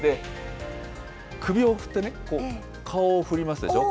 首を振ってね、顔を振りますでしょう。